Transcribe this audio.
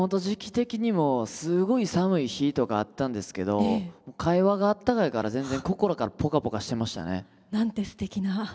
時期的にもすごい寒い日とかあったんですけど会話があったかいから全然心からポカポカしてましたね。なんてすてきな。